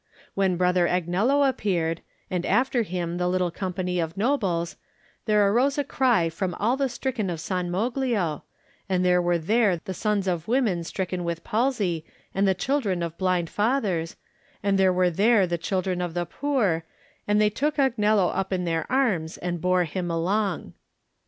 When Brother Agnello appeared, and after him the little company of nobles, there arose a cry from all the stricken of San Moglio, and there were there the sons of women stricken with palsy and the children of blind fathers, and there were there the children of the poor, and they took Agnello up in their arms and bore him along.